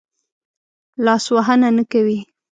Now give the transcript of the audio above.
لاس وهنه نه کوي.